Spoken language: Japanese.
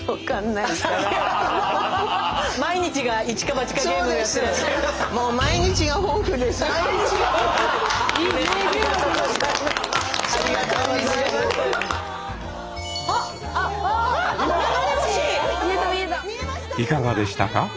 いかがでしたか？